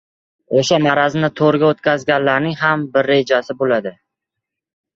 Oʻsha marazni toʻrga oʻtkazganlarning ham bir rejasi boʻladi.